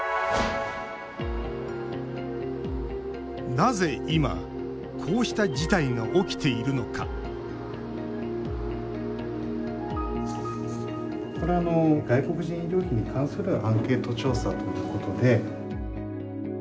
なぜ今こうした事態が起きているのかこれは外国人医療費に関するアンケート調査ということで。